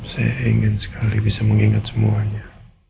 saya ingin sekali bisa mengingat semuanya